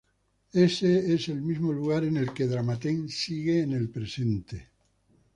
Ese es el mismo lugar en el que el Dramaten sigue en el presente.